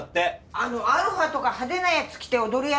あのアロハとか派手なやつ着て踊るやつ？